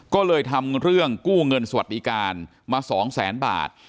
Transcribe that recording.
ก็เลยทำเรื่องกู้เงินสวัสดิการมา๒แสนบาท